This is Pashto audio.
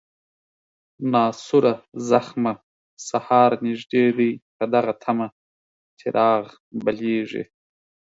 ناسوره زخمه، سهار نژدې دی په دغه طمه، چراغ بلیږي